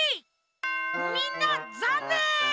みんなざんねん！